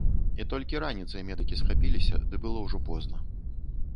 І толькі раніцай медыкі спахапіліся, ды было ўжо позна.